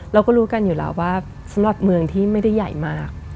เราก็รู้กันอยู่แล้วว่าสำหรับเมืองที่ไม่ได้ใหญ่มาก